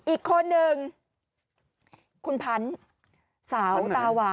อีกคนนึงคุณพันธุ์สาวตาหวา